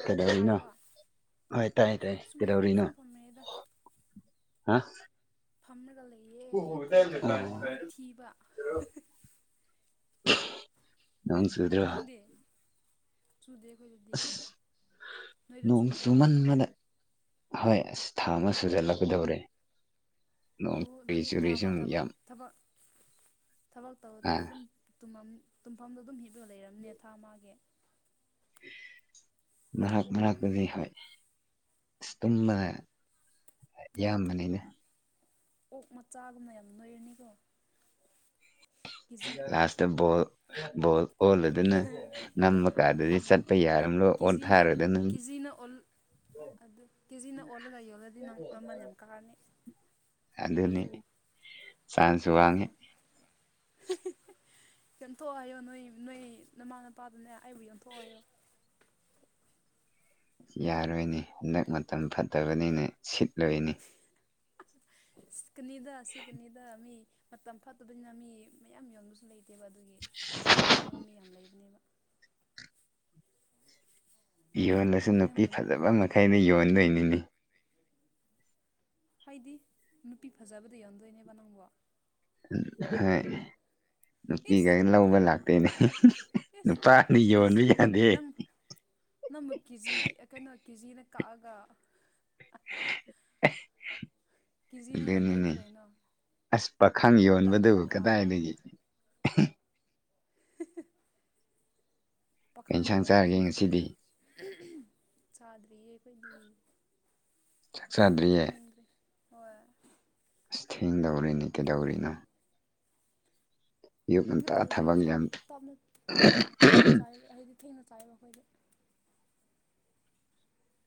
ꯇꯥ ꯀꯩꯗꯧꯔꯤꯅꯣ ꯇꯥꯏꯀꯣ ꯍꯣꯏ ꯇꯥꯏꯌꯦ ꯇꯥꯏ ꯁꯨꯝ ꯐꯝ ꯀꯩꯗꯧꯔꯤꯅꯣ ꯁꯨꯝ ꯐꯝꯃꯦꯗ ꯍꯥ ꯐꯝꯔꯒ ꯂꯩꯌꯦ ꯀꯣꯜ ꯇꯧꯅꯤꯡꯉꯥꯏ ꯃꯤ ꯊꯤꯕ ꯅꯣꯡ ꯆꯨꯗ꯭ꯔꯣ ꯅꯪꯗꯤ ꯆꯨꯗꯦ ꯈꯣꯏꯗ ꯑꯁ ꯅꯣꯡ ꯆꯨꯃꯟꯕꯅꯥ ꯍꯣꯏ ꯑꯁ ꯊꯥ ꯑꯃ ꯁꯨꯖꯜꯂꯛꯀꯗꯧꯔꯦ ꯎ ꯅꯣꯡ ꯆꯨꯔꯤ ꯑꯗꯨꯗꯤ ꯊꯥ ꯆꯨꯔꯤ ꯑꯃ ꯁꯨꯝ ꯊꯕꯛ ꯌꯥꯝ ꯊꯕꯛ ꯊꯕꯛ ꯑ ꯇꯧꯗ꯭ꯔꯒ ꯑꯗꯨꯝ ꯇꯨꯝꯃꯝ ꯇꯨꯝꯐꯝꯗꯣ ꯑꯗꯨꯝ ꯍꯤꯞꯂ ꯂꯩꯔꯝꯅꯦ ꯊꯥ ꯑꯃꯥꯒꯤ ꯃꯍꯛ ꯃꯔꯛꯇꯗꯤ ꯍꯣꯢ ꯑꯁ ꯇꯨꯝꯕꯅ ꯌꯥꯝ ꯑꯌꯥꯝꯕꯅꯤꯅ ꯑꯣꯛ ꯃꯆꯥꯒꯨꯝꯅ ꯌꯥꯝ ꯅꯣꯏꯔꯅꯤꯀꯣ ꯀꯦꯖꯤ ꯂꯥꯁꯇ ꯕꯣꯜ ꯕꯣꯜ ꯑꯣꯜꯂ ꯑꯗꯨꯅ ꯅꯝꯕ ꯀꯥꯟꯗꯗꯤ ꯑꯗꯨꯅꯤ ꯆꯠꯄ ꯌꯥꯔꯝꯂꯣꯏ ꯀꯦꯖꯤꯅ ꯑꯣꯟꯊꯥꯔꯗꯅ ꯀꯦꯖꯤꯅ ꯑꯣꯜ ꯑꯗꯨ ꯀꯦꯖꯤꯅ ꯑꯣꯜꯂꯒ ꯌꯣꯜꯂꯗꯤ ꯅꯪ ꯃꯃꯟ ꯌꯥꯝ ꯀꯥꯔꯅꯤ ꯑꯗꯨꯅꯤ ꯆꯥꯟ꯭ꯁ ꯑ ꯋꯥꯡꯉꯦ ꯌꯟꯊꯣꯛꯑꯣ ꯍꯥꯢꯌꯣ ꯅꯣꯢ ꯅꯣꯢ ꯅꯃꯥ ꯅꯄꯥꯗꯨꯅꯦ ꯑꯩꯕꯨ ꯌꯟꯊꯣꯛꯑꯣ ꯍꯥꯢꯌꯣ ꯌꯥꯔꯣꯢꯅꯪ ꯍꯟꯗꯛ ꯃꯇꯝ ꯐꯠꯇꯕꯅꯤꯅ ꯁꯤꯠꯂꯣꯢꯅꯦ ꯁꯤꯀꯅꯤꯗ ꯁꯤꯀꯅꯤꯗ ꯃꯤ ꯃꯇꯝ ꯐꯠꯇꯕꯅꯤꯅ ꯃꯤ ꯃꯌꯥꯝ ꯌꯣꯟꯕꯁꯨ ꯂꯩ ꯇꯦꯕ ꯑꯗꯨꯒꯤ ꯂꯩꯅꯤꯡꯕ ꯃꯤ ꯌꯥꯝ ꯂꯩꯕꯅꯦꯕ ꯌꯣꯜꯂꯁꯨ ꯍꯣꯔꯦꯟ ꯅꯨꯄꯤ ꯐꯖꯕ ꯃꯈꯩꯅ ꯃꯨꯟꯅꯔꯅꯤꯗ ꯌꯣꯟꯗꯣꯢꯅꯤꯅꯦ ꯍꯥꯢꯗꯤ ꯅꯨꯄꯤ ꯐꯖꯕꯗ ꯌꯣꯟꯗꯣꯢꯅꯦꯕ ꯅꯪꯕꯣ ꯎꯝ ꯍꯥꯢ ꯏꯁ ꯅꯨꯄꯤꯒꯩ ꯂꯧꯕ ꯂꯥꯛꯇꯣꯢꯅꯦ ꯏꯁ ꯅꯨꯄꯥꯅ ꯌꯣꯟꯕ ꯀꯦꯖꯤ ꯌꯥꯗꯦ ꯅꯪ ꯅꯪꯕꯨ ꯀꯦꯖꯤꯒꯤ ꯀꯩꯅꯣ ꯀꯦꯖꯤꯅ ꯀꯛꯑꯒ [unintelligible] ꯀꯦꯖꯤꯅ ꯌꯣꯟꯗꯣꯏꯅꯤ ꯑꯗꯨꯅꯤꯅꯦ ꯀꯩꯅꯣ ꯑꯁ ꯄꯥꯈꯪ ꯃꯇꯠ ꯌꯣꯟꯕꯗꯨ ꯃꯇꯠ ꯀꯛꯑꯒ ꯀꯗꯥꯢꯗꯒꯤ ꯑꯦꯍꯦ [unintelligible] ꯀꯩ ꯄꯥꯈꯪꯅ ꯏꯟꯁꯥꯡ ꯌꯣꯜꯂꯗꯤ ꯆꯥꯔꯒꯦ ꯅꯨꯄꯤ ꯉꯁꯤꯗꯤ ꯆꯥꯗ꯭ꯔꯤꯌꯦ ꯑꯩꯈꯣꯢꯗꯤ ꯆꯥꯛ ꯊꯣꯡꯖꯨ ꯆꯥꯗ꯭ꯔꯤꯌꯦ ꯊꯣꯡꯗ꯭ꯔꯤ ꯍꯣꯢ ꯑꯁ ꯊꯦꯡꯗꯧꯔꯦꯅꯦ ꯀꯩꯗꯧꯔꯤꯅꯣ ꯑꯌꯨꯛ ꯁꯨꯝꯖꯨ ꯉꯟꯇꯥ ꯇꯧꯗꯦ ꯊꯕꯛ ꯁꯨꯝ ꯌꯥꯝ ꯇꯞꯅ ꯇꯞꯅ ꯆꯥꯢ ꯍꯥꯢꯗꯤ ꯊꯦꯡꯅ ꯆꯥꯢꯕ ꯑꯈꯣꯢꯗꯤ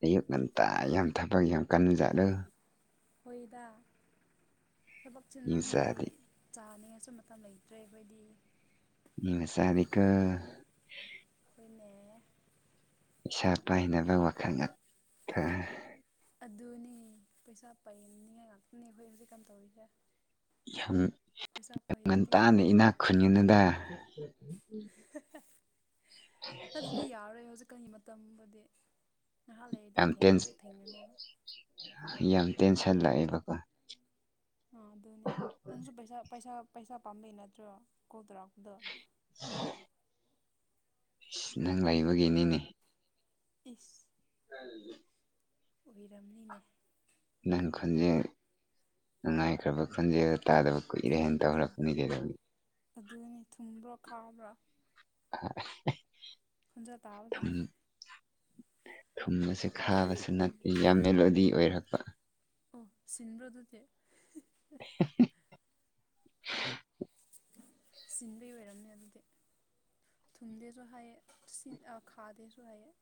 ꯑꯌꯨꯛ ꯉꯟꯇꯥ ꯌꯥꯝ ꯊꯕꯛ ꯌꯥꯝ ꯀꯟ ꯖꯥꯠꯂꯣ ꯍꯣꯢꯗ ꯊꯕꯛ ꯃꯤ ꯆꯤꯟꯃꯟꯕꯩ ꯃꯆꯥꯗꯤ ꯆꯥꯅꯤꯡꯉꯁꯨ ꯃꯇꯝ ꯂꯩꯇ꯭ꯔꯦ ꯑꯩꯈꯣꯢꯗꯤ ꯃꯤ ꯃꯆꯥꯗꯤꯀꯣ ꯈꯣꯢꯅꯦ ꯄꯩꯁꯥ ꯄꯥꯢꯅꯕ ꯋꯥꯈꯟꯒ ꯈꯥ ꯑꯗꯨꯅꯦ ꯄꯩꯁꯥ ꯄꯥꯢꯅꯤꯡꯅꯤꯉꯥꯢ ꯉꯥꯛꯇꯅꯦ ꯑꯩꯈꯣꯢ ꯍꯧꯖꯤꯛꯀꯥꯟ ꯇꯧꯔꯤꯁꯦ ꯌꯥꯝ ꯄꯩꯁꯥ ꯄꯥꯏꯗꯗꯤ ꯉꯟꯇꯥꯅ ꯌꯥꯔꯔꯣꯏ ꯏꯅꯥꯛ ꯈꯨꯟꯅꯤꯡꯅꯨꯗ ꯑꯗꯨꯗꯤ ꯌꯥꯔꯣꯢ ꯍꯧꯖꯤꯛꯀꯥꯟꯒꯤ ꯃꯠ ꯇꯝꯕꯗꯤ ꯉꯍꯥꯛ ꯂꯩꯔꯗꯤ ꯌꯥꯝ ꯊꯦꯡꯃ ꯊꯦꯡꯉꯅꯤꯕ ꯌꯥꯝ ꯇꯦꯟꯁꯟ ꯂꯥꯛꯑꯦꯕꯀꯣ ꯑꯥ ꯑꯗꯨꯅꯦ ꯅꯪꯁꯨ ꯄꯩꯁꯥ ꯄꯩꯁꯥ ꯄꯩꯁꯥ ꯄꯥꯝꯕꯩ ꯅꯠꯇ꯭ꯔꯣ ꯀꯣꯜ ꯇꯧꯔꯛꯄꯗꯣ [inaudible] ꯅꯪ ꯂꯩꯕꯒꯤꯅꯤꯅꯦ ꯏꯁ ꯀꯥꯏ ꯂꯩꯒꯦ ꯑꯣꯏꯔꯝꯅꯤꯅꯦ ꯅꯪ ꯈꯣꯟꯖꯦ ꯅꯨꯡꯉꯥꯏꯈ꯭ꯔꯕ ꯈꯣꯟꯖꯦꯜ ꯇꯥꯗꯕ ꯀꯨꯢꯔꯦꯅ ꯇꯧꯔꯛꯄꯅꯤ ꯀꯩꯗꯧꯔꯦ ꯑꯗꯨꯅꯦ ꯊꯨꯝꯕ꯭ꯔꯣ ꯈꯥꯕ꯭ꯔꯣ [unintelligible] ꯈꯣꯟꯖꯦꯜ ꯇꯥꯕꯖꯦ ꯊꯨꯝꯕꯁꯦ ꯈꯥꯕꯁꯨ ꯅꯠꯇꯦ ꯌꯥꯝ ꯃꯦꯂꯣꯗꯤ ꯑꯣꯢꯔꯛꯄ ꯑꯣ ꯁꯤꯟꯕ꯭ꯔꯣ ꯑꯗꯨꯗꯤ [unintelligible] ꯁꯤꯟꯕꯒꯤ ꯑꯣꯢꯔꯝꯅꯤ ꯑꯗꯨꯗꯤ ꯊꯨꯝꯗꯦꯁꯨ ꯍꯥꯢꯌꯦ ꯁꯤꯟ ꯈꯥꯗꯦꯁꯨ ꯍꯥꯢꯌꯦ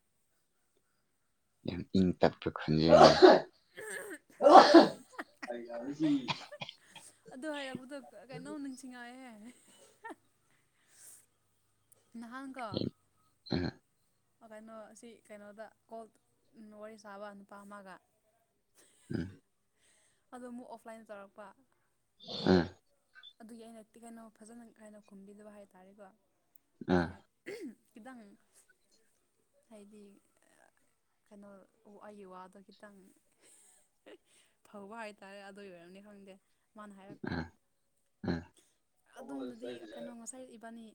ꯏꯪ ꯇꯞꯄ ꯈꯣꯟꯖꯦꯜ ꯑꯩ ꯌꯥꯗ ꯁꯤ ꯑꯗꯨ ꯍꯥꯢꯔꯛꯕꯗꯣ ꯀꯩꯅꯣ [unintelligible] ꯉꯥꯏꯍꯦ [unintelligible] ꯅꯍꯥꯟꯀꯣ ꯎꯝ ꯀꯩꯅꯣ ꯁꯤ ꯀꯩꯅꯣꯗ ꯀꯣꯜ ꯋꯥꯔꯤ ꯁꯥꯕ ꯅꯨꯄꯥ ꯑꯃꯒ ꯎꯝ ꯑꯗꯣ ꯑꯃꯨꯛ ꯑꯣꯐꯂꯥꯏꯟꯗ ꯇꯧꯔꯛꯄ ꯎꯝ ꯑꯗꯨꯒꯤ ꯑꯩꯅ ꯇꯤ ꯀꯩꯅꯣ ꯐꯖꯅ ꯀꯥꯏꯅ ꯈꯨꯝꯕꯤꯗꯕ ꯍꯥꯏꯇꯥꯔꯦꯀꯣ ꯑꯥ ꯑꯗꯨꯒꯤ [unintelligible] ꯈꯤꯇꯪ ꯍꯥꯏꯗꯤ ꯀꯩꯅꯣ ꯑꯩꯒꯤ ꯋꯥꯗꯣ ꯈꯤꯇꯪ ꯐꯧꯕ ꯍꯥꯏꯇꯥꯔꯦ ꯑꯗꯨ ꯑꯣꯏ ꯑꯣꯏꯔꯝꯅꯤ ꯈꯪꯗꯦ ꯃꯥꯅ ꯍꯥꯏꯔꯛꯄ ꯑꯥ [inaudible] ꯑꯗꯨꯝꯅꯗꯤ ꯀꯩꯅꯣ ꯉꯁꯥꯏ ꯏꯕꯥꯅꯤ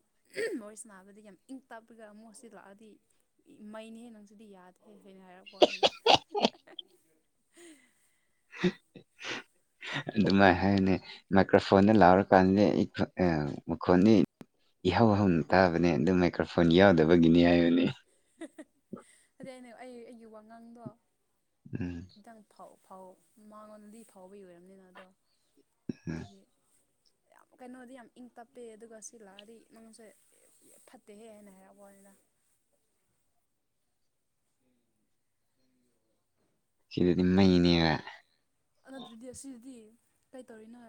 ꯋꯥꯔꯤ ꯁꯅꯥꯕꯗꯤ ꯌꯥꯝ ꯏꯪ ꯇꯞꯄꯒ ꯑꯃꯨꯛꯁꯤ ꯂꯥꯛꯑꯗꯤ ꯃꯩꯩꯅꯤꯍꯦ ꯅꯪꯁꯤꯗꯤ ꯌꯥꯗꯦ ꯂꯤꯜꯊꯣꯏꯅ ꯍꯥꯏꯔꯛꯄ ꯋꯥꯅꯤꯗ [unintelligible] ꯑꯗꯨꯃꯥꯏ ꯍꯥꯏꯅꯤ ꯃꯥꯏꯀ꯭ꯔꯣꯐꯣꯟꯗ ꯂꯥꯎꯔꯀꯥꯟꯗꯗꯤ ꯑꯩ ꯐꯔꯛ ꯑ ꯃꯈꯣꯟꯅꯤ ꯏꯍꯧ ꯍꯧꯅ ꯇꯥꯕꯅꯦ ꯑꯗꯨ ꯃꯥꯏꯀ꯭ꯔꯐꯣꯟ ꯌꯥꯎꯗꯕꯒꯤꯅꯤ ꯍꯥꯏꯕꯅꯤ [unintelligible] ꯑꯗꯨꯗꯩ ꯑꯩ ꯑꯩ ꯑꯩꯒꯤ ꯋꯥꯉꯥꯡꯗꯣ ꯎꯝ ꯈꯤꯇꯪ ꯊꯧ ꯐꯧ ꯃꯉꯣꯟꯗꯗꯤ ꯐꯥꯎꯕꯒꯤ ꯑꯣꯏꯔꯝꯅꯤꯅ ꯑꯗꯣ ꯎꯝ ꯑꯗꯨꯒꯤ ꯌꯥꯝ ꯀꯩꯅꯣꯗꯤ ꯌꯥꯝ ꯏꯪ ꯇꯞꯄꯦ ꯑꯗꯨꯒ ꯁꯤ ꯂꯥꯛꯑꯗꯤ ꯅꯡꯁꯦ ꯐꯠꯇꯦꯍꯦ ꯍꯥꯏꯅ ꯍꯥꯏꯔꯛꯄ ꯋꯥꯅꯤꯗ ꯁꯤꯗꯗꯤ ꯃꯩ ꯅꯦꯕ ꯑꯗꯨꯗꯤ ꯑꯁꯤꯗꯗꯤ ꯀꯩꯇꯧꯔꯤꯅꯣ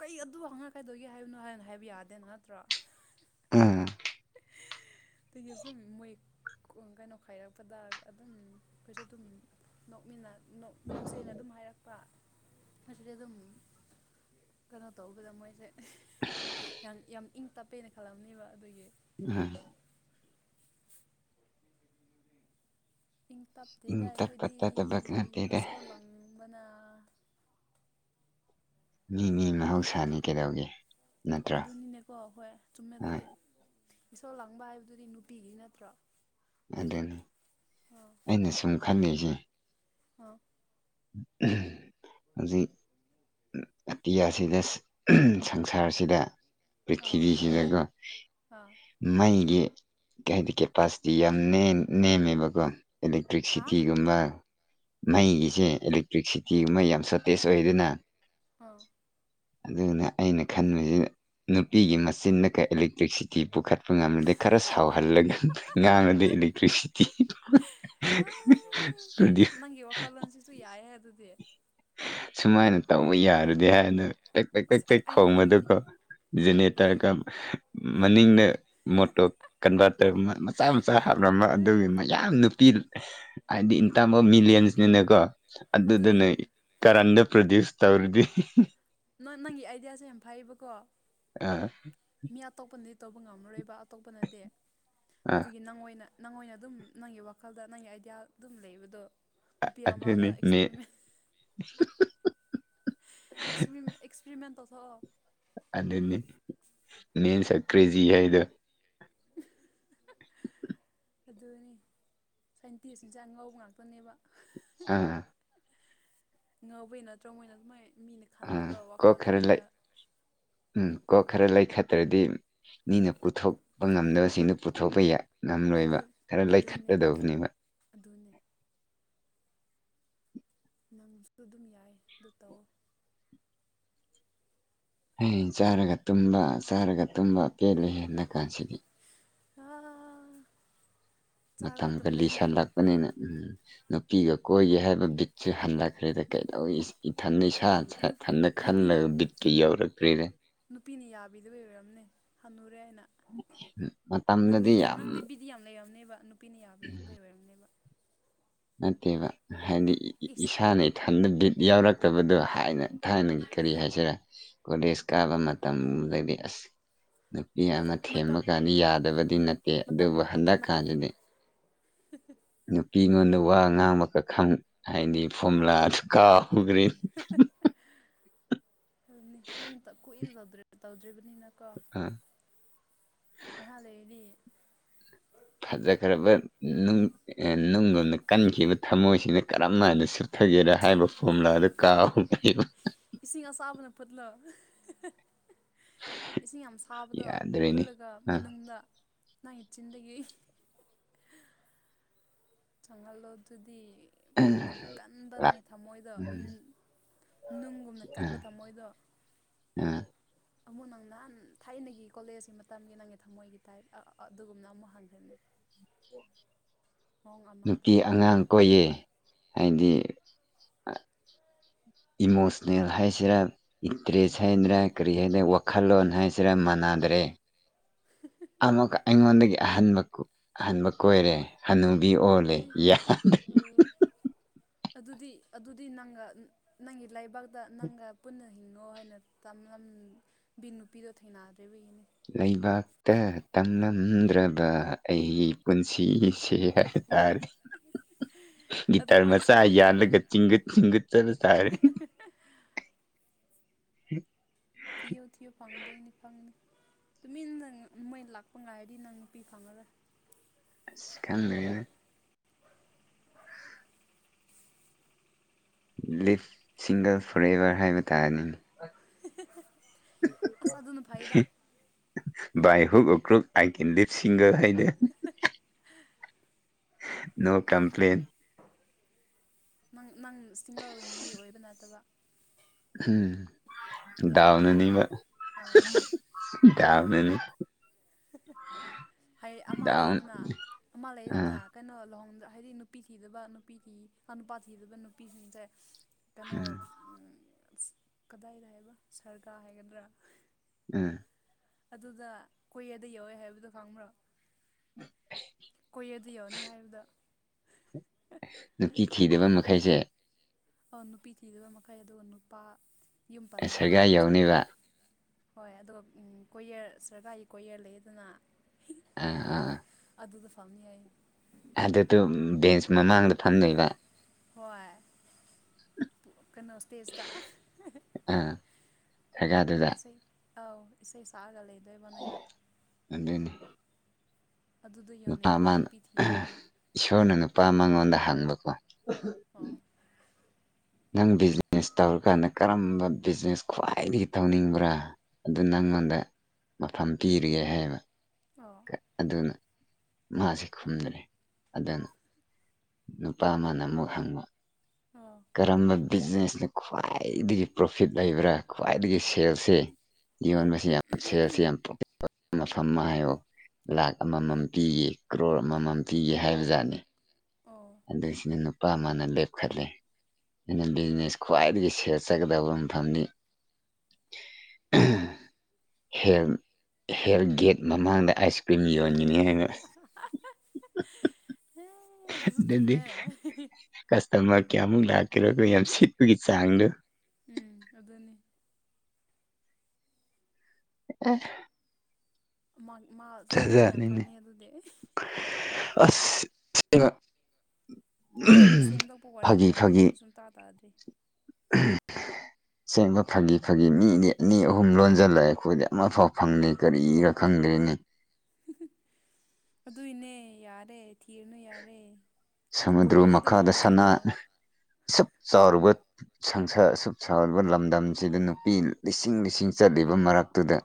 ꯀꯩ ꯑꯗꯨ ꯍꯪꯉꯛꯀꯗꯣꯏꯒꯦ ꯍꯥꯏꯕꯅꯣ ꯍꯥꯏ ꯍꯥꯏꯕ ꯌꯥꯗꯦꯅ ꯅꯠꯇ꯭ꯔꯣ ꯎꯝ [unintelligible] ꯁꯨꯨꯝ ꯃꯣꯢ ꯀꯨꯝꯒꯅꯣ ꯈꯥꯏꯔꯛꯄꯗ ꯑꯗꯨꯝ ꯑꯩꯈꯣꯏꯁꯨ ꯑꯗꯨꯝ ꯅꯣꯛꯃꯤꯟꯅ ꯅꯣꯛ ꯅꯣꯛꯆꯦꯅ ꯑꯗꯨꯝ ꯍꯥꯏꯔꯛ ꯑꯁꯤꯗꯤ ꯑꯗꯨꯝ ꯀꯩꯅꯣ ꯇꯧꯒꯦꯔ ꯃꯣꯏꯁꯦ ꯌꯥꯝ ꯌꯥꯝ ꯏꯪ ꯇꯞꯄꯦꯅ ꯈꯜꯂꯝꯕꯅꯦꯕ ꯑꯗꯨꯒꯤ ꯍ ꯏꯪ ꯏꯪ ꯇꯞꯇꯦꯗ ꯇꯞꯄ ꯑꯩꯈꯣꯏꯗꯤ ꯇꯠꯇꯕ ꯅꯠꯇꯦꯗ ꯏꯁꯧ ꯂꯥꯡꯕꯅ ꯃꯤꯅꯦ ꯃꯍꯧꯁꯥꯅꯤ ꯀꯩꯗꯧꯒꯦ ꯅꯠꯇ꯭ꯔꯥ ꯑꯗꯨꯅꯤꯅꯦꯀꯣ ꯍꯣꯏ ꯆꯨꯝꯃꯦ ꯍꯣꯏ ꯑꯗꯨꯗꯤ ꯏꯁꯧ ꯂꯥꯡꯕ ꯍꯥꯏꯕꯗꯨꯗꯤ ꯅꯨꯄꯤꯒꯤ ꯅꯠꯇ꯭ꯔꯣ ꯑꯗꯨꯅꯤ ꯑꯥ ꯑꯩꯅ ꯁꯨꯝ ꯈꯜꯂꯤꯁꯦ ꯍꯥ [unintelligible] ꯍꯨꯖꯤꯛ ꯑꯇꯤꯌꯥꯁꯤꯗ ꯁꯪꯁꯥꯔꯁꯤꯗ ꯑꯥ ꯄ꯭ꯔꯤꯊꯤꯕꯤꯁꯤꯅꯒ ꯑꯥ ꯃꯩꯒꯤ [unintelligible] ꯀꯦꯄꯥꯁꯤꯇꯤ ꯌꯥꯝ ꯅꯦꯝ ꯅꯦꯝꯃꯦꯕꯀꯣ ꯍꯥ ꯏꯂꯦꯛꯇ꯭ꯔꯤꯛꯁꯤꯇꯤꯒꯨꯝꯕ ꯃꯩꯒꯤꯁꯦ ꯏꯂꯦꯛꯇ꯭ꯔꯤꯛꯁꯤꯇꯤꯒꯨꯝꯕ ꯌꯥꯝ ꯆꯠ ꯇꯦꯁ ꯑꯣꯏꯗꯅ ꯑꯥ ꯑꯗꯨꯅ ꯑꯩꯅ ꯈꯟꯕꯁꯤ ꯅꯨꯄꯤꯒꯤ ꯃꯆꯤꯟꯅꯒ ꯏꯂꯦꯛꯇ꯭ꯔꯤꯛꯁꯤꯇꯤ ꯥꯇꯤ ꯄꯨꯈꯠꯄ ꯉꯝꯗꯦ ꯈꯔ ꯁꯥꯎꯍꯜꯂꯒ ꯉꯥꯡꯉꯗꯤ ꯏꯂꯦꯛꯇ꯭ꯔꯤꯁꯤꯇꯤ ꯑꯥ ꯅꯪꯒꯤ [unintelligible] ꯋꯥꯈꯜꯂꯣꯟꯁꯤꯁꯨ ꯌꯥꯏꯍꯦ ꯑꯗꯨꯗꯤ ꯁꯨꯃꯥꯏꯅ ꯇꯧꯕ ꯌꯥꯔꯗꯤ ꯍꯥꯏꯅ ꯀꯦꯛ ꯄꯦꯛ ꯀꯦꯛ ꯑꯁ ꯑꯩ ꯇꯦꯛ ꯑꯩꯅ ꯈꯟꯕꯗꯤ ꯈꯣꯡꯕꯗꯨꯀꯣ ꯖꯦꯅꯦꯇꯔꯒ ꯃꯅꯤꯡꯗ ꯃꯣꯇꯣꯔ ꯀꯟꯚꯔꯇꯔ ꯃꯆꯥ ꯃꯆꯥ ꯍꯥꯞꯂꯝꯕ ꯑꯗꯨꯒꯤ ꯃꯌꯥꯝ ꯅꯨꯄꯤ ꯍꯥꯏꯗꯤ ꯏꯟꯇꯝ ꯑꯣꯐ ꯃꯤꯂꯤꯌꯟꯁꯅꯤꯅꯥꯀꯣ ꯑꯗꯨꯗꯤ ꯑꯗꯨꯗꯅꯦ ꯀꯔꯟꯗꯣ ꯄꯔꯗꯤꯌꯨꯁ ꯇꯧꯔꯗꯤ ꯅꯣꯏ ꯅꯪꯒꯤ ꯑꯥꯏꯗꯤꯌꯥꯁꯦ ꯌꯥꯝ ꯐꯩꯌꯦꯕꯀꯣ ꯑꯥ ꯃꯤ ꯑꯇꯣꯞꯄꯅꯗꯤ ꯇꯧꯕ ꯉꯝꯃꯔꯣꯏꯕ ꯑꯇꯣꯞꯄꯅꯗꯤ ꯑꯥ ꯑꯗꯨꯒꯤ ꯅꯪ ꯑꯣꯏꯅ ꯅꯪ ꯑꯣꯏꯅ ꯑꯗꯨꯝ ꯅꯪꯒꯤ ꯋꯥꯈꯜꯗ ꯅꯪꯒꯤ ꯑꯥꯏꯗꯤꯌꯥ ꯑꯗꯨꯝ ꯂꯩꯕꯗꯣ ꯅꯨꯄꯤ ꯑꯃꯗ ꯑꯗꯨꯅꯤ ꯃꯤ ꯑꯦꯛꯁꯄꯤꯔꯤꯃꯦꯟꯁ [unintelligible] ꯑꯦꯛꯁꯄꯔꯤ ꯑꯦꯛꯁꯄꯦꯔꯤꯃꯦꯟꯇ ꯇꯧꯊꯣꯛꯑꯣ ꯑꯗꯨ ꯃꯦꯟꯁ ꯑꯥꯔ ꯀ꯭ꯔꯦꯖꯤ ꯍꯥꯏꯗꯣ ꯑꯗꯨꯅꯤ ꯁꯥꯏꯟꯇꯤꯁꯁꯤꯡꯖꯦ ꯑꯉꯧꯕ ꯉꯥꯛꯇꯅꯦꯕ ꯑꯥ ꯉꯧꯕꯩ ꯅꯠꯇ꯭ꯔꯣ ꯃꯣꯏꯅ ꯑꯗꯨꯃꯥꯏꯅ ꯃꯤꯅ ꯑꯥ ꯈꯟꯗꯕ ꯀꯣꯛ ꯋꯥꯈꯜ ꯈꯔ ꯂꯩ ꯈꯜꯂꯒ ꯎꯝ ꯀꯣꯛ ꯈꯔ ꯂꯩꯈꯠꯇ꯭ꯔꯗꯤ ꯃꯤꯅ ꯄꯨꯊꯣꯛꯄ ꯉꯝꯗꯁꯤꯡꯗꯣ ꯄꯨꯊꯣꯛꯄ ꯌꯥꯏ ꯉꯝꯂꯣꯏꯕ ꯑꯗꯨ ꯈꯔ ꯑꯗꯨꯅꯦ ꯂꯩꯈꯠꯀꯗꯕꯅꯦꯕ ꯑꯗꯨꯅꯦ ꯅꯪꯁꯨ ꯑꯗꯨꯝ ꯌꯥꯏ ꯑꯗꯨ ꯇꯧꯑꯣ ꯍꯩ ꯆꯥꯔꯒ ꯇꯨꯝꯕ ꯆꯥꯔꯒ ꯇꯨꯝꯕ ꯄꯦꯜꯂꯦ ꯍꯦ ꯍꯟꯗꯛ ꯀꯥꯟꯁꯤꯗꯤ ꯑꯥ ꯆꯥꯔꯒ ꯇꯨꯝꯕꯦꯅꯦ ꯕꯅꯤꯅꯦ ꯎꯝ ꯅꯨꯄꯤꯒ ꯀꯣꯏꯒꯦ ꯍꯥꯏꯕ ꯕꯤꯠꯁꯦ ꯍꯟꯂꯛꯈ꯭ꯔꯦꯅꯦ ꯀꯩꯗꯧꯏ ꯏꯊꯟꯗ ꯏꯁꯥ ꯅꯨ ꯏꯊꯟꯗ ꯅꯨꯄꯤꯅ ꯈꯜꯂꯒ ꯕꯤꯠꯇꯀ ꯌꯧꯔꯛꯇ꯭ꯔꯤꯅꯦ ꯅꯨꯄꯤꯅ ꯌꯥꯕꯤꯗꯕꯩ ꯑꯣꯏꯔꯝꯅꯝ ꯍꯟꯅꯨꯔꯦꯅ ꯅꯪꯗꯤ ꯃꯇꯝꯗꯗꯤ ꯅꯪꯗꯤ ꯌꯥꯝ ꯅꯪꯗꯤꯕꯤ ꯑꯗꯨꯗꯤ ꯌꯥꯝ ꯂꯩꯔꯝꯅꯦꯕ ꯅꯨꯄꯤꯅ ꯌꯥꯕꯤꯗꯕꯩ ꯑꯣꯏꯔꯝꯅꯦꯕ ꯅꯠꯇꯦꯕ ꯍꯥꯏꯗꯤ ꯏ ꯏꯁ ꯏꯁꯥ ꯅ ꯏꯊꯟꯗ ꯕꯤꯠ ꯌꯥꯎꯔꯛꯇꯕꯗꯣꯅ ꯊꯥꯏꯅ ꯀꯔꯤ ꯍꯥꯏꯁꯤꯔꯥ ꯀꯣꯂꯦꯖ ꯀꯥꯕ ꯃꯇꯝꯗꯗꯤ ꯑꯁ ꯃꯤ ꯍꯣꯏꯗ ꯑꯃ ꯊꯦꯝꯃ ꯃꯇꯝ ꯀꯥꯟꯗ ꯌꯥꯗꯕꯗꯤ ꯅꯠꯇꯦ ꯃꯇꯝ ꯑꯗꯨꯕꯨ ꯃꯇꯝ ꯃꯇꯥꯡꯒꯤ ꯍꯟꯗꯛꯀꯥꯟꯗꯗꯤ [unintelligible] ꯅꯨꯄꯤ ꯑꯩꯉꯣꯟꯗ ꯋꯥ ꯉꯥꯡꯕꯀ ꯈꯪ ꯍꯥꯏꯗꯤ ꯐꯣꯝꯂꯥꯗꯨ ꯀꯥꯎꯈ꯭ꯔꯦꯅꯦ [unintelligible] ꯑꯗꯨꯅꯦ ꯀꯨꯏꯅ ꯀꯨꯏꯅ ꯇꯧꯗ꯭ꯔꯤꯕꯅꯤꯅ ꯀꯣ ꯑ ꯉꯥꯏꯍꯥꯛ ꯂꯩꯔꯗꯤ ꯐꯖꯈ꯭ꯔꯕ ꯅꯨꯡ ꯅꯨꯡꯒꯣꯝꯅ ꯀꯟꯈꯤꯕ ꯊꯃꯣꯏꯁꯤꯅ ꯀꯔꯝ ꯍꯥꯏꯅ ꯁꯨꯞꯠꯊꯒꯦꯔꯥ ꯍꯥꯏꯕ ꯐꯣꯝꯂꯥꯗꯣ ꯀꯥꯎꯈꯤꯕ ꯏꯁꯤꯡ ꯑꯁꯥꯕꯅ ꯐꯨꯠꯂꯣ ꯏꯁꯤꯡ ꯌꯥꯝ ꯁꯥꯕꯗꯣ ꯌꯥꯗ꯭ꯔꯦꯅꯦ ꯐꯨꯠꯂꯒ ꯑ ꯃꯅꯨꯡꯗ ꯅꯪꯒꯤ ꯆꯤꯟꯗꯒꯤ ꯆꯪꯍꯜꯂꯣ ꯑꯗꯨꯗꯤ ꯌꯥꯝ ꯀꯟꯕ ꯑ ꯅꯪꯒꯤ ꯊꯝꯃꯣꯏꯗꯣ ꯅꯨꯡꯒꯨꯝꯅ ꯀꯟꯕ ꯊꯝꯃꯣꯏꯗꯣ ꯑꯥ ꯑꯃꯨꯛ ꯅꯪ ꯅꯍꯥꯟ ꯊꯥꯏꯅꯒꯤ ꯀꯣꯂꯦꯖꯀꯤ ꯃꯇꯝꯒꯤ ꯅꯪꯒꯤ ꯊꯝꯃꯣꯏꯒꯤ ꯇꯥꯏꯞ ꯑꯗꯨꯒꯨꯝꯅ ꯑꯃꯨꯛ ꯍꯥꯡꯒꯟꯅꯤ ꯑꯃꯗ ꯅꯨꯄꯤ ꯑꯉꯥꯡ ꯀꯣꯏꯌꯦ ꯍꯥꯏꯗꯤ ꯏꯃꯣꯁꯟꯅꯦꯜ ꯍꯥꯏꯁꯤꯔꯥ ꯏꯇ꯭ꯔꯦꯁ ꯍꯥꯏꯁꯤꯔꯥ ꯀꯔꯤ ꯍꯥꯏꯗ꯭ꯔꯥ ꯋꯥꯈꯜꯂꯣꯟ ꯍꯥꯏꯁꯤꯔꯥ ꯃꯥꯟꯅꯥꯗ꯭ꯔꯦ [unintelligible] ꯑꯃꯨꯛꯁ ꯑꯩꯉꯣꯟꯗꯒꯤ ꯑꯍꯟꯕ ꯑꯍꯟꯕ ꯀꯣꯏꯔꯦ ꯍꯅꯨꯕꯤ ꯑꯦ ꯑꯣꯜꯂꯦ ꯌꯥꯗꯔꯦ ꯑꯗꯨꯗꯤ ꯑꯗꯨꯗꯤ ꯅꯪꯒ ꯅꯪꯒꯤ ꯂꯩꯕꯥꯛꯇ ꯅꯪꯒ ꯄꯨꯟꯅ ꯍꯤꯉꯣ ꯍꯥꯏꯅ ꯇꯝꯂꯝꯕꯤ ꯅꯨꯄꯤꯗꯣ ꯊꯦꯡꯅꯗ꯭ꯔꯤꯕꯒꯤꯅꯤ ꯂꯥꯏꯕꯛꯇ ꯇꯥꯡꯂꯝꯝꯗ꯭ꯔꯕ ꯑꯩꯒꯤ ꯄꯨꯟꯁꯤꯁꯦ [unintelligible] ꯇꯥꯔꯗꯤ ꯑꯗꯨ ꯒꯤꯇꯥꯔ ꯃꯣꯏ ꯃꯆꯥ ꯏꯁꯩ ꯂꯩꯕ꯭ꯔꯅꯦ ꯌꯥꯜꯂꯒ ꯆꯤꯡꯒꯠ ꯆꯤꯡꯒꯠ ꯆꯁꯥꯏ ꯊꯤꯌꯣ ꯊꯤꯌꯣ ꯐꯪꯗꯣꯏꯅꯤ ꯐꯪꯅꯤ ꯇꯨꯃꯤꯟꯅ ꯃꯣꯏ ꯂꯥꯛꯄ ꯉꯥꯏꯔꯗꯤ ꯅꯪ ꯅꯨꯄꯤ ꯐꯪꯉꯔꯣꯏ ꯑꯁ ꯈꯪꯗꯦꯅꯦ ꯂꯤꯞ ꯁꯤꯡꯒꯜ ꯐ꯭ꯔꯦꯜꯂꯤ ꯍꯥꯏꯕ ꯇꯥꯔꯅꯤ ꯑꯁ ꯑꯗꯨꯅ ꯐꯩꯗ ꯕꯥ ꯍꯨꯛ ꯑꯣ ꯀ꯭ꯔꯨꯛ ꯑꯥꯏ ꯀꯦꯟ ꯂꯤꯞ ꯁꯤꯡꯒꯔ ꯍꯥꯏꯗ ꯍꯥ ꯍꯥ ꯅꯣ ꯀꯝꯄ꯭ꯂꯦꯟ ꯅꯪ ꯅꯪ ꯁꯤꯡꯒꯜ ꯑꯣꯏꯅꯤꯡꯕꯩ ꯃꯤ ꯑꯣꯏꯕ ꯅꯠꯇꯕ ꯎꯝ ꯌꯥꯗꯕꯒꯤ ꯗꯥꯎꯅꯅꯤꯕ ꯑꯥ ꯗꯥꯎꯅꯅꯤ ꯍꯩ ꯑꯃ ꯗꯥꯎꯟ ꯂꯩꯗꯅ ꯑꯃ ꯂꯩꯗꯅ ꯑꯥ ꯀꯩꯅꯣ ꯂꯨꯍꯣꯡꯗ ꯍꯥꯏꯗꯤ ꯅꯨꯄꯤ ꯊꯤꯗꯕ ꯅꯨꯄꯤ ꯊꯤ ꯅꯨꯄꯥ ꯊꯤꯗꯕ ꯅꯨꯄꯤꯁꯤꯡꯁꯦ ꯀꯩꯅꯣ ꯎꯝ ꯀꯗꯥꯏꯗ ꯍꯥꯏꯕ ꯁꯔꯀꯥꯔ ꯍꯥꯏꯒꯗ꯭ꯔꯥ ꯎꯝ ꯑꯗꯨꯗ ꯀꯣꯌꯦꯗ ꯌꯥꯎꯋꯦ ꯍꯥꯏꯕꯗꯣ ꯈꯪꯕ꯭ꯔꯣ ꯀꯣꯌꯦꯠꯇ ꯌꯥꯎꯅꯤ ꯍꯥꯏꯕꯗꯣ ꯅꯨꯡꯄꯤ ꯊꯤꯗꯕ ꯃꯈꯩꯁꯦ ꯑꯣ ꯅꯨꯄꯤ ꯊꯤꯗꯕ ꯃꯈꯩ ꯑꯗꯨꯒ ꯅꯨꯄꯥ ꯌꯨꯝ ꯄꯥꯟꯗꯕ ꯁꯔꯒꯥꯔ ꯅꯨꯄꯤꯁꯤꯡ ꯌꯧꯅꯤꯕ ꯍꯣꯏ ꯑꯗꯨ ꯀꯣꯌꯦꯠ ꯁꯔꯀꯥꯔꯒꯤ ꯀꯣꯌꯦꯔ ꯂꯩꯌꯦꯗꯅ ꯑꯥ ꯑꯥ ꯑꯗꯨꯗ ꯐꯝꯅꯤ ꯑꯩ ꯑꯗꯨꯗꯨꯝ ꯕꯦꯟꯁ ꯃꯃꯥꯡꯗ ꯐꯝꯗꯣꯏꯕ ꯍꯣꯏ ꯀꯩꯅꯣ ꯁ꯭ꯇꯦꯖꯇ ꯑꯥ ꯁꯔꯀꯥꯔꯗꯨꯗ ꯏꯁꯩ ꯑꯧ ꯏꯁꯩ ꯁꯛꯒ ꯂꯩꯗꯣꯏꯕ ꯅꯣꯏꯅ ꯑꯗꯨꯅꯤ ꯑꯗꯨꯗꯣ ꯅꯨꯄꯥ ꯌꯧꯅꯤꯡꯉꯗꯤ ꯑꯃꯅ ꯅꯨꯄꯤ ꯊꯤꯅꯨ ꯏꯁꯣꯔꯅ ꯅꯨꯄꯥ ꯃꯉꯣꯟꯗ ꯍꯪꯕꯀꯣ ꯑꯣ ꯅꯪ ꯕꯤꯖꯤꯅꯦꯁ ꯇꯧꯔꯀꯥꯟꯗ ꯀꯔꯝꯕ ꯕꯤꯖꯤꯅꯦꯁ ꯈ꯭ꯋꯥꯏꯗꯒꯤ ꯇꯧꯅꯤꯡꯕ꯭ꯔꯥ ꯑꯗꯨ ꯅꯪꯉꯣꯟꯗ ꯃꯐꯝ ꯄꯤꯔꯤꯌꯦ ꯍꯥꯏꯌꯦꯕ ꯑꯣ ꯑꯗꯨꯅ ꯃꯥꯁꯦ ꯈꯨꯝꯗ꯭ꯔꯦ ꯑꯗꯨꯅ ꯅꯨꯄꯥ ꯑꯃꯅ ꯑꯃꯨꯛ ꯍꯪꯕ ꯑꯣ ꯀꯔꯝꯕ ꯕꯤꯖꯤꯅꯦꯁꯅ ꯈ꯭ꯋꯥꯏꯗꯒꯤ ꯄ꯭ꯔꯣꯐꯤꯠ ꯂꯩꯕ꯭ꯔꯥ ꯈ꯭ꯋꯥꯏꯗꯒꯤ ꯁꯦꯜꯁꯦ ꯑ ꯌꯣꯟꯕꯁꯤ ꯌꯥꯝ ꯁꯦꯜꯁꯦ ꯌꯥꯝ ꯄ꯭ꯔꯣ ꯃꯐꯝ ꯑꯃ ꯍꯥꯏꯌꯣ ꯂꯥꯛ ꯑꯃꯃꯝ ꯎꯝ ꯄꯤꯒꯦ ꯀ꯭ꯔꯣꯔ ꯑꯃꯃꯝ ꯄꯤꯒꯦ ꯍꯥꯏꯕꯖꯥꯠꯅꯦ ꯑꯣ ꯑꯗꯣ ꯁꯤꯗ ꯅꯨꯄꯥ ꯑꯃꯥꯅ ꯂꯦꯞꯈꯠꯂꯦ ꯑꯩꯅ ꯑꯣ ꯕꯤꯖꯤꯅꯦꯁ ꯈ꯭ꯋꯥꯏꯗꯒꯤ ꯁꯦꯜ ꯆꯠꯀꯗꯕ ꯃꯐꯝꯅꯤ ꯍꯦꯜ ꯍꯦꯜ ꯒꯦꯠ ꯃꯃꯥꯡꯗ ꯑꯁ ꯀ꯭ꯔꯤꯝ ꯌꯣꯟꯒꯅꯤ ꯍꯥꯏꯅ ꯑꯦ ꯑꯗꯨꯁꯨ ꯆꯨꯝꯃꯦ ꯑꯗꯨꯗꯤ ꯀꯁꯇꯃꯔ ꯀꯌꯥꯃꯨꯛ ꯂꯥꯛꯀꯦꯔꯀꯣ ꯌꯥꯝ ꯁꯤꯠꯄꯒꯤ ꯆꯥꯡꯗꯣ ꯎꯝ ꯑꯗꯨꯅꯤ ꯑꯦ ꯑꯃꯣꯏ ꯃꯥ ꯄꯩꯁꯥ ꯌꯥꯝ ꯖꯥꯠꯖꯥꯠꯅꯤꯅꯦ ꯐꯪꯅꯤꯍꯦ ꯑꯗꯨꯗꯤ ꯑꯁ ꯁꯦꯕ ꯅꯪ ꯁꯦꯝꯗꯣꯛꯄ ꯋꯥꯔꯤ ꯑꯣꯏꯔꯝꯅꯤ ꯑꯩꯗꯤ ꯁꯨꯡ ꯇꯥ ꯇꯥꯗ꯭ꯔꯤ ꯎꯝ ꯁꯦꯡꯕ ꯐꯥꯒꯤ ꯐꯥꯒꯤ ꯃꯤꯗꯤ ꯑꯅꯤ ꯑꯍꯨꯝ ꯂꯣꯟꯖꯜꯂꯛꯑꯦ ꯑꯩꯈꯣꯏꯗꯤ ꯑꯃꯐꯥꯎ ꯐꯪꯗꯦ ꯀꯔꯤꯒꯤꯔ ꯈꯪꯗ꯭ꯔꯦꯅꯦ ꯑꯗꯨꯏꯅꯦ ꯌꯥꯔꯦ ꯊꯤꯔꯅꯨ ꯌꯥꯔꯦ ꯁꯃꯨꯗ꯭ꯔ ꯀꯣꯏꯌꯔꯗ ꯑꯗꯨꯝ ꯐꯝꯕ ꯆꯠꯂꯣ ꯆꯦꯛ ꯆꯥꯔꯨꯕꯠ ꯁꯪꯁꯥꯔ ꯑꯁꯨꯛ ꯆꯥꯎꯔꯕ ꯂꯝꯗꯝꯁꯤꯗ ꯅꯨꯄꯤ ꯂꯤꯁꯤꯡ ꯂꯤꯁꯤꯡ ꯆꯠꯂꯤꯕ ꯃꯔꯛꯇꯨꯗ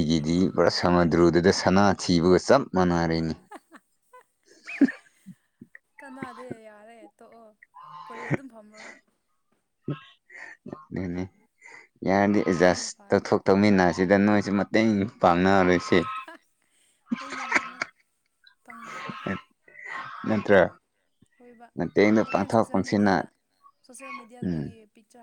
ꯅꯨꯄꯤ ꯄꯨꯔꯥ ꯐꯪꯗꯕꯗ ꯁꯃꯨꯗ꯭ꯔꯗꯨꯗ ꯁꯅꯥ ꯊꯤꯕꯒ ꯆꯞ ꯃꯥꯟꯅꯔꯦꯅꯦ [unintelligible] [unintelligible] ꯀꯅꯥꯗꯦ ꯌꯥꯔꯦ ꯇꯣꯛꯑꯣ ꯀꯣꯏ ꯑꯗꯨꯝ ꯐꯝꯃꯨꯔꯣ ꯑꯗꯨꯅꯦ ꯌꯥꯔꯗꯤ ꯑꯦꯠꯖꯁ ꯑꯗꯨꯅ ꯐꯔꯅꯤ ꯇꯧꯊꯣꯛ ꯇꯧꯃꯤꯟꯅꯁꯤꯗ ꯅꯣꯏꯁꯨ ꯃꯇꯦꯡ ꯄꯥꯡꯅꯔꯣꯏꯁꯤ ꯑꯍꯣꯏꯅꯦ ꯅꯠꯇ꯭ꯔ ꯍꯣꯏꯕ ꯍꯣꯔꯦꯟ ꯁꯣꯁꯦꯜ ꯃꯦꯗꯤꯌꯥꯗ ꯁꯣꯁꯦꯜ ꯃꯦꯗꯤꯌꯥꯗ ꯎꯝ ꯅꯪ ꯄꯤꯛꯆꯔ